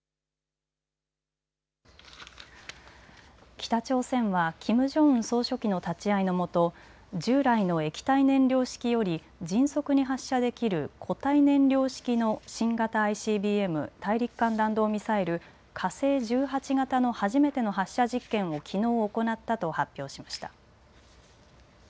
北朝鮮はキム・ジョンウン総書記の立ち会いのもと、従来の液体燃料式より迅速に発射できる固体燃料式の新型ＩＣＢＭ・大陸間弾道ミサイル、火星１８型の初めての発射実験をきのう行ったと発表しました。